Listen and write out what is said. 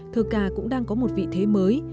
thơ ca cũng đang có một vị thế mới